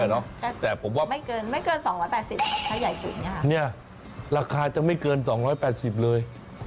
นี่ราคาจะไม่เกิน๒๘๐บาทเลย